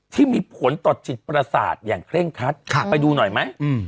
ที่มีผลต่อจิตประสาทอย่างเคร่งคัดไปดูหน่อยไหม